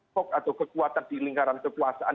hoax atau kekuatan di lingkaran kekuasaan